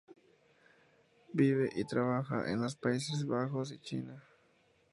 Vive y trabaja en los Países Bajos y China.